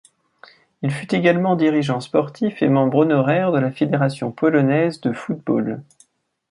Il fut également dirigeant sportif et membre honoraire de la fédération polonaise de football.